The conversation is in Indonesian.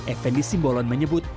effendi simbolon menyebut